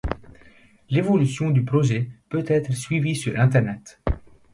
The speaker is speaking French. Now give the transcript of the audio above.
L'évolution du projet peut être suivi sur internet.